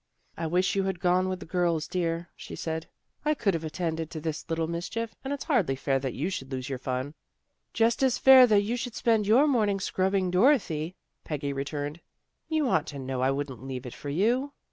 " I wish you had gone with the girls, dear," she said. " I could have attended to this little mischief, and it's hardly fair that you should lose your fun." " Just as fair as that you should spend your morning scrubbing Dorothy," Peggy returned. " You ought to know I wouldn't leave it for you."